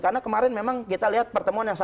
karena kemarin memang kita lihat pertemuan ini